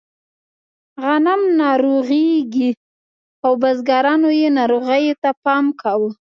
غنم ناروغېږي او بزګرانو یې ناروغیو ته پام کاوه.